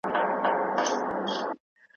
د سيبيريا پراخو دښتو ډېر امکانات درلودل.